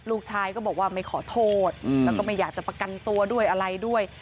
ลูกชายก็บอกว่าไม่ขอโทษแล้วก็ไม่อยากจะประกันตัวด้วยอะไรด้วย